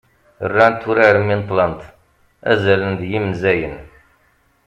rrant urar mi neṭṭlent "azalen d yimenzayen"